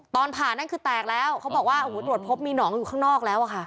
ตอนผ่านั่นคือแตกแล้วเขาบอกว่าเดี๋ยวรอดพบอยู่ข้างนอกแล้วค่ะ